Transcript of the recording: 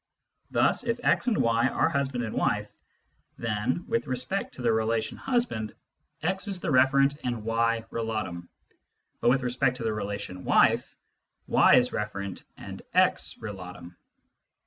Thus if x and y are husband and wife, then, with respect to the relation Kinas of Relations 49 " husband," x is referent and y relatum, but with respect to the, relation " wife," y is referent and x relatum.